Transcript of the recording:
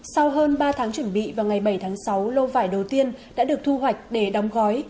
sau hơn ba tháng chuẩn bị vào ngày bảy tháng sáu lô vải đầu tiên đã được thu hoạch để đóng gói